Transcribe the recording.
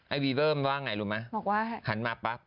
ไอวีเวอร์มันว่าไงรู้มั้ย